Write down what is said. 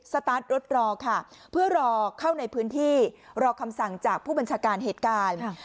ตาร์ทรถรอค่ะเพื่อรอเข้าในพื้นที่รอคำสั่งจากผู้บัญชาการเหตุการณ์